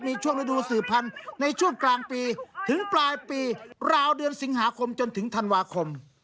มีช่วงฤดูสื่อพันธุ์ในช่วงกลางปีถึงปลายปีราวเดือนสิงหาคมจนถึงธันวาคม